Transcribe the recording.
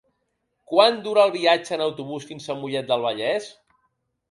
Quant dura el viatge en autobús fins a Mollet del Vallès?